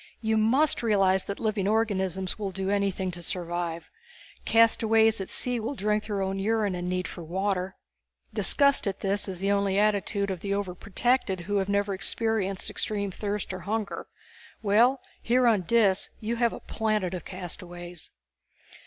You must realize that living organisms will do anything to survive. Castaways at sea will drink their own urine in their need for water. Disgust at this is only the attitude of the overprotected who have never experienced extreme thirst or hunger. Well, here on Dis you have a planet of castaways."